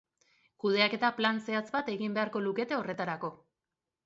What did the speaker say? Kudeaketa plan zehatz bat egin beharko lukete horretarako.